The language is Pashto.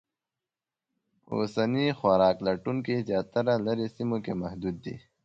اوسني خوراک لټونکي زیاتره لرې سیمو کې محدود دي.